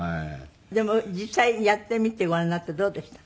でも実際にやってみてごらんになってどうでした？